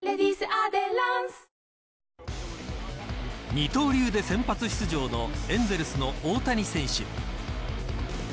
二刀流で先発出場のエンゼルスの大谷選手。